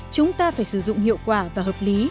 chúng ta phải sử dụng hiệu quả và hợp lý